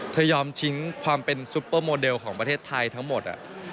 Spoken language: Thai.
ยอมทิ้งความเป็นซุปเปอร์โมเดลของประเทศไทยทั้งหมด